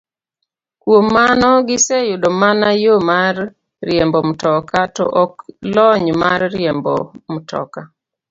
Kuom mano, giseyudo mana yo mar riembo mtoka, to ok lony mar riembo mtoka.